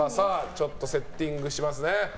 ちょっとセッティングしますね。